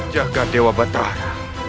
jaga dewa batara